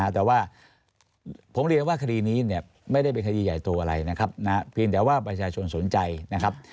แต่ว่าผมเรียนว่าคดีนี้เนี่ยไม่ได้เป็นคดีใหญ่ตัวอะไรนะครับเพียงแต่ว่าประชาชนสนใจนะครับ